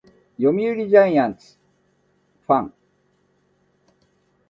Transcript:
読売ジャイアンツファン